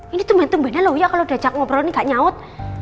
ini tuh tumben tumbennya loh uya kalo diajak ngobrol ini gak nyawut